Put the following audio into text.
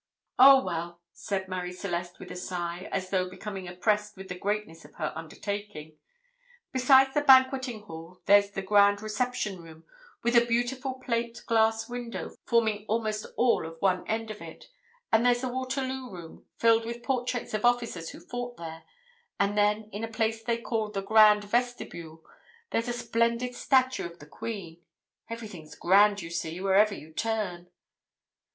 "Oh, well," said Marie Celeste with a sigh, as though becoming oppressed with the greatness of her undertaking; "besides the Banqueting Hall there's the Grand Reception Room, with a beautiful plate glass window forming almost all of one end of it, and there's the Waterloo Room, filled with portraits of officers who fought there, and then, in a place they call the Grand Vestibule, there's a splendid statue of the Queen. Everything's grand, you see, wherever you turn."